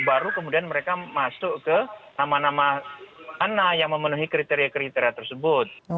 baru kemudian mereka masuk ke nama nama mana yang memenuhi kriteria kriteria tersebut